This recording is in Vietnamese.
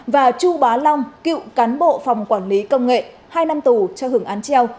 và chu bá long cựu cán bộ phòng quản lý công nghệ hai năm tù cho hưởng án treo